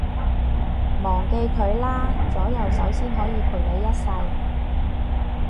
忘記佢啦，左右手先可以陪你一世